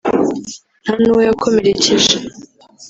nta n’uwo yakomerekeje